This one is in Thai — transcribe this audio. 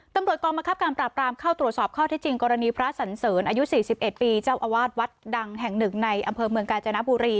ตำรวจกองบังคับการปราบรามเข้าตรวจสอบข้อที่จริงกรณีพระสันเสริญอายุ๔๑ปีเจ้าอาวาสวัดดังแห่งหนึ่งในอำเภอเมืองกาญจนบุรี